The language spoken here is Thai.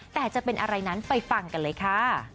แต่จะเป็นอะไรนั้นไปฟังกันเลยค่ะ